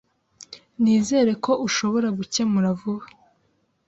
Nizere ko ushobora gukemura vuba.